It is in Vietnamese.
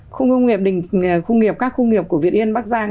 khu công nghiệp các khu nghiệp của việt yên bắc giang